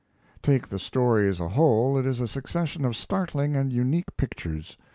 Take the story as a whole, it is a succession of startling and unique pictures.